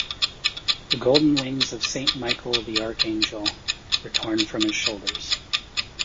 The golden wings of St. Michael the Archangel were torn from his shoulders.